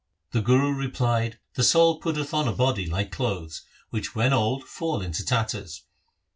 The Guru replied, ' The soul putteth on a body like clothes which when old fall into tatters.